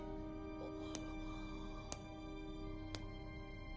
あっ。